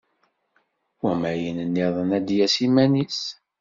Wama ayen-nniḍen ad d-yas iman-is.